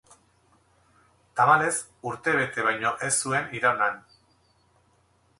Tamalez urtebete baino ez zuen iraun han.